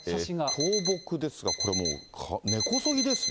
倒木ですが、これもう根こそぎですね。